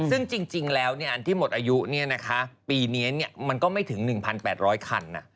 ซึ่งจริงแล้วอันที่หมดอายุปีนี้มันก็ไม่ถึง๑๘๐๐คัน